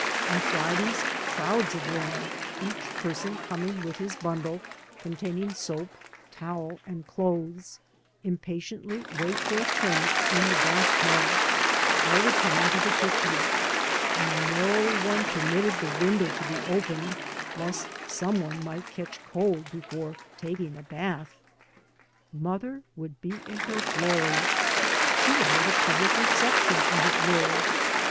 On Fridays crowds of them, each person coming with his bundle containing soap, towel, and cl6thes, impatiently wait their turn in the bath tub. All would come into the kitchen. And no one permitted the window to be opened lest some one catch cold before taking a bath I Mother would be in her glory. She would hold a public reception, as it were.